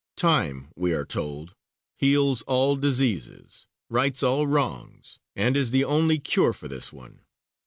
Time, we are told, heals all diseases, rights all wrongs, and is the only cure for this one.